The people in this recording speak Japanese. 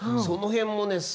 その辺もね